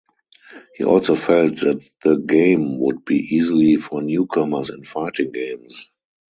He also felt that the game would be easy for newcomers in fighting games.